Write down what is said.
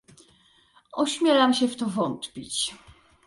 Ośmielam się w to wątpić